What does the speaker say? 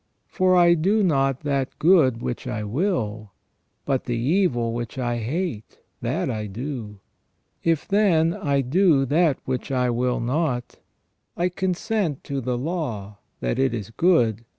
For I do not that good which I will, but the evil which 1 hate that I do. If, then, I do that which I will not, I consent to the law, that it is good.